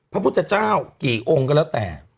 พระพุทธเจ้ากี่องค์ก็แล้วแต่